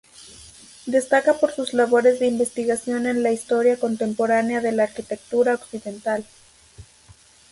Destaca por sus labores de investigación en la historia contemporánea de la arquitectura occidental.